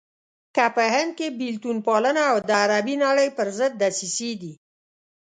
که په هند کې بېلتون پالنه او د عربي نړۍ پرضد دسيسې دي.